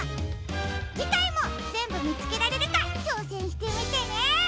じかいもぜんぶみつけられるかちょうせんしてみてね！